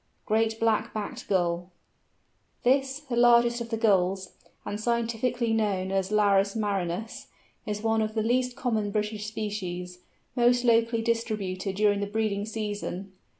GREAT BLACK BACKED GULL. This, the largest of the Gulls, and scientifically known as Larus marinus, is one of the least common British species, most locally distributed during the breeding season.